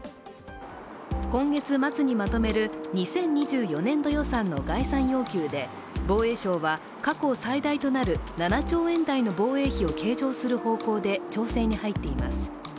今月末にまとめる２０２４年度予算の概算要求で防衛省は過去最大となる７兆円台の防衛費を計上する方向で調整に入っています。